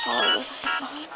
masa ketempat malem gue